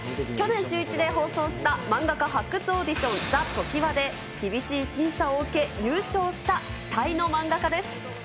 去年シューイチで放送した漫画家発掘オーディション、ＴＨＥＴＯＫＩＷＡで、厳しい審査を受け優勝した期待の漫画家です。